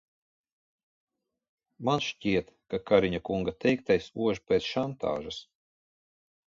Man šķiet, ka Kariņa kunga teiktais ož pēc šantāžas.